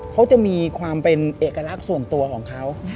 เขาจะมีความเป็นเอกลักษณ์ส่วนตัวของเขา